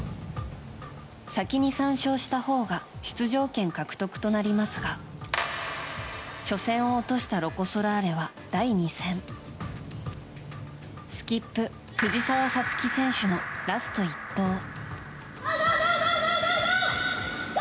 先に３勝したほうが出場権獲得となりますが初戦を落としたロコ・ソラーレは第２戦スキップ、藤澤五月選手のラスト１投。